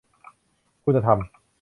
คุณธรรม